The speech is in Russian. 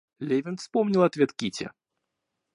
Левин вспомнил ответ Кити.